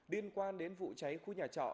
điên quan đến vụ cháy khu nhà trọ